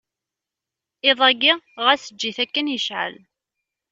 Iḍ-ayi ɣas eǧǧ-it akken yecɛel.